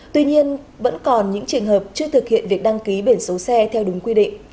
tuy nhiên vẫn còn những trường hợp chưa thực hiện việc đăng ký biển số xe theo đúng quy định